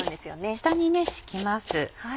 下に敷きます。